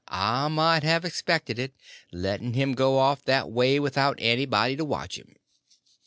I might have expected it, letting him go off that way without anybody to watch him.